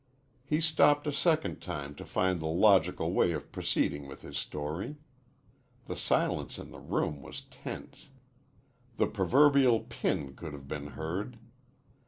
He stopped a second time to find the logical way of proceeding with his story. The silence in the room was tense. The proverbial pin could have been heard.